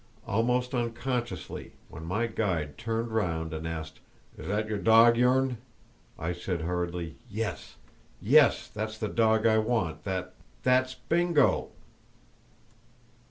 Almost unconsciously, when my guide turned round and asked, "Is that there dawg yourn?" I said hurriedly, "Yes, yes; that's the dog I want; that—that's Bingo!"